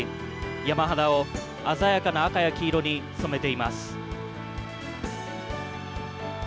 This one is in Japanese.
山肌を鮮やかな赤や黄色に染めています。